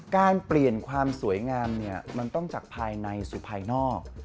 การเปลี่ยนความสวยงามเนี่ยมันต้องจากภายในสู่ภายนอก